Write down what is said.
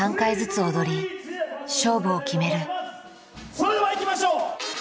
それではいきましょう！